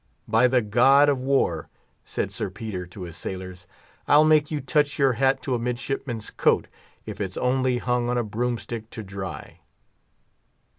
"By the god of war!" said Sir Peter to his sailors, "I'll make you touch your hat to a midshipman's coat, if it's only hung on a broomstick to dry!"